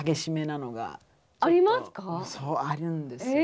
そうあるんですよ。